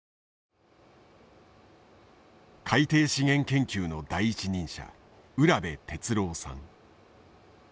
海底資源研究の第一人者浦辺徹郎さん。